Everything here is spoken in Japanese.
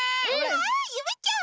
わゆめちゃん！